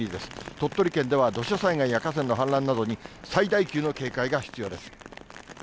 鳥取県では土砂災害や河川の氾濫などに最大級の警戒が必要です。